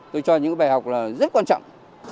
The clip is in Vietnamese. tôi cho những bài học là rất quan trọng